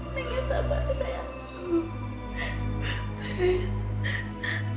nek sabar sayangku